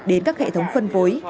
đến các hệ thống phân bối